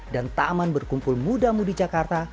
dan taman berkumpul muda mudi jakarta